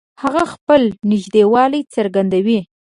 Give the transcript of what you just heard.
هغه خپل نږدېوالی څرګندوي